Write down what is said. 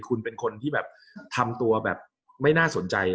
กับการสตรีมเมอร์หรือการทำอะไรอย่างเงี้ย